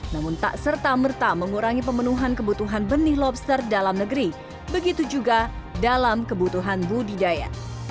namun tak serta merta mengurangi pemenuhan kebutuhan benih lobster dalam negeri begitu juga dalam kebutuhan budidaya